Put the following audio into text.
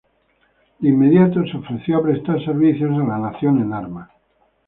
De inmediato se ofreció a prestar servicios a la nación en armas.